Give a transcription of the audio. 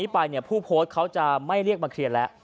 ไปผู้โพสต์เขาจะไม่เรียกมาเคลียร์แล้ว